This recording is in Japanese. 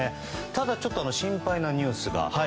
ただ、ちょっと心配なニュースが。